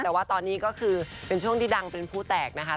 แต่ว่าตอนนี้ก็คือเป็นช่วงที่ดังเป็นผู้แตกนะคะ